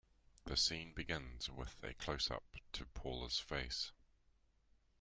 The scene begins with a closeup to Paula's face.